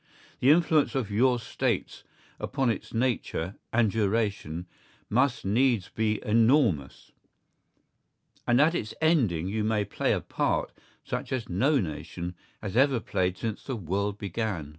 The influence of your States upon its nature and duration must needs be enormous, and at its ending you may play a part such as no nation has ever played since the world began.